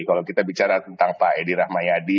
kalau kita bicara tentang pak edi rahmayadi